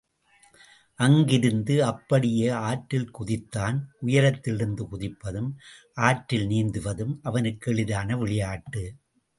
அங்கிருந்து அப்படியே ஆற்றில் குதித்தான் உயரத்திலிருந்து குதிப்பதும், ஆற்றில் நீந்துவதும் அவனுக்கு எளிதான விளையாட்டு.